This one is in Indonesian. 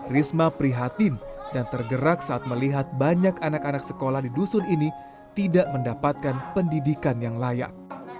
risma prihatin dan tergerak saat melihat banyak anak anak sekolah di dusun ini tidak mendapatkan pendidikan yang layak